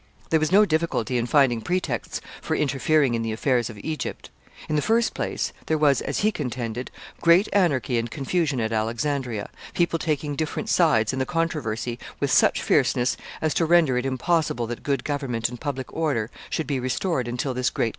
There was no difficulty in finding pretexts for interfering in the affairs of Egypt. In the first place, there was, as he contended, great anarchy and confusion at Alexandria, people taking different sides in the controversy with such fierceness as to render it impossible that good government and public order should be restored until this great question was settled.